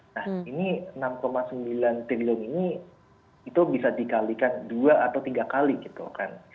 nah ini enam sembilan triliun ini itu bisa dikalikan dua atau tiga kali gitu kan